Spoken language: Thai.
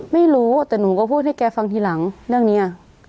ไม่รู้แต่หนูก็พูดให้แกฟังทีหลังเรื่องนี้